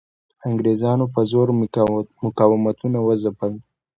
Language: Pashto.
انګریزانو په زور مقاومتونه وځپل.